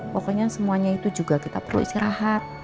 pokoknya semuanya itu juga kita perlu istirahat